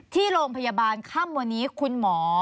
ที่โรงพยาบาลค่ำวันนี้คุณหมอ